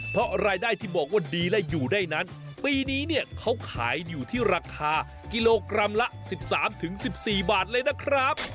เพราะรายได้ที่บอกว่าดีและอยู่ได้นั้นปีนี้เนี่ยเขาขายอยู่ที่ราคากิโลกรัมละ๑๓๑๔บาทเลยนะครับ